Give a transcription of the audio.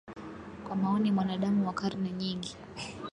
kwa maoni ya mwanadamu kwa karne nyingi